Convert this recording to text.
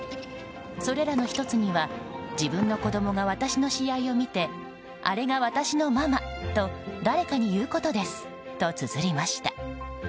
それらの１つには自分の子供が私の試合を見てあれが私のママと誰かに言うことですとつづりました。